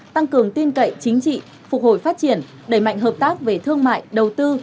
tăng cường tin cậy chính trị phục hồi phát triển đẩy mạnh hợp tác về thương mại đầu tư